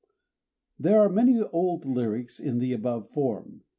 _ There are many old lyrics in the above form.